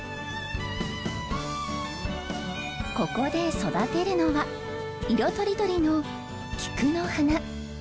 ここで育てるのは色とりどりのキクの花。